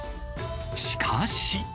しかし。